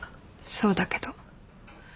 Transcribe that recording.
そうだけど。